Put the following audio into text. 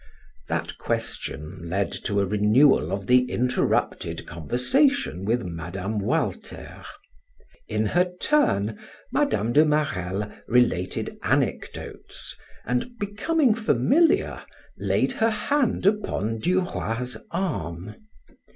That question led to a renewal of the interrupted conversation with Mme. Walter. In her turn Mme. de Marelle related anecdotes, and becoming familiar, laid her hand upon Duroy's arm.